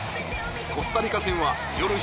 コスタリカ戦はよる